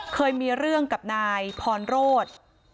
เคยมีเรื่องกับนายพรโรธ